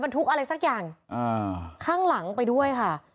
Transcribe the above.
ทุกอะไรสักอย่างข้างหลังไปด้วยค่ะ